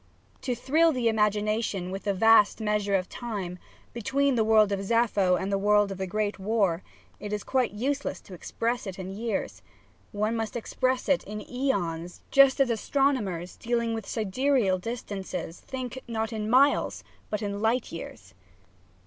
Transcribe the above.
To thrill the imagination with the vast measure of time between the world of Sappho and the world of the Great War, it is quite useless to express it in years, one must express it in asons, just as astronomers, dealing with sidereal distances, think, not in miles, but in light years.